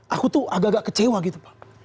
aku tuh agak agak kecewa gitu pak